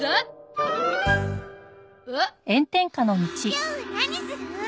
今日は何する？